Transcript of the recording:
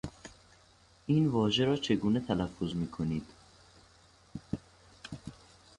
این واژه را چگونه تلفظ میکنید؟